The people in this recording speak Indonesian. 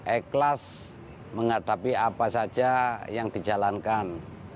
ikhlas menghadapi apa saja yang dijalankan